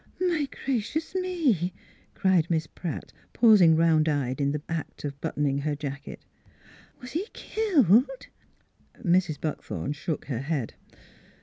" My gracious me !" cried Miss Pratt, pausing round eyed in the act of buttoning her jacket. "Was he killed?" Mrs. Buckthorn shook her head.